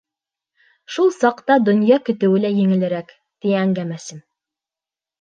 Шул саҡта донъя көтөүе лә еңелерәк, — ти әңгәмәсем.